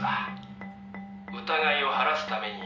「疑いを晴らすために」